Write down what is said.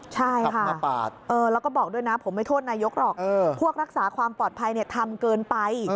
ใช่ค่ะแล้วก็บอกด้วยนะผมไม่โทษนายกหรอกพวกรักษาความปลอดภัยทำเกินไป